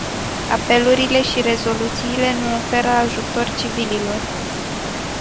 Apelurile și rezoluțiile nu oferă ajutor civililor.